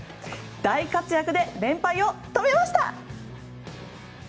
大活躍で連敗を止めました！